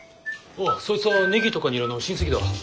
おうそいつはネギとかニラの親戚だ。